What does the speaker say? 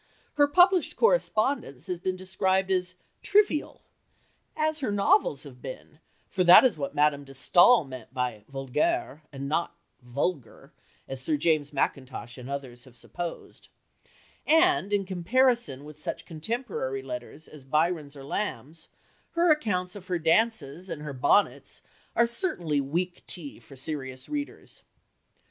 Her published correspondence has been described as "trivial" (as her novels have been, for that is what Madame de Staël meant by "vulgaire," and not "vulgar," as Sir James Mackintosh and others have supposed), and, in comparison with such contemporary letters as Byron's or Lamb's, her accounts of her dances and her bonnets are certainly weak tea for serious readers.